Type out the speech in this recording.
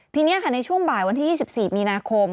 ทีนี้ค่ะในช่วงบ่ายวันที่๒๔มีนาคม